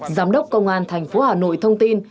giám đốc công an thành phố hà nội thông tin